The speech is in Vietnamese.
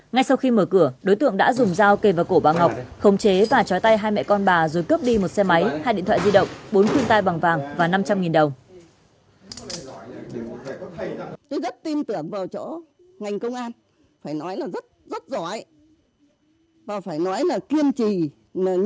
ngay sau khi mở cửa đối tượng đã dùng dao kề vào cổ bà ngọc khống chế và chói tay hai mẹ con bà rồi cướp đi một xe máy hai điện thoại di động bốn khuyên tay bằng vàng và năm trăm linh đồng